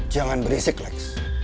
jangan berisik lex